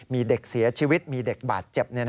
มีเด็กเสียชีวิตมีเด็กบาดเจ็บ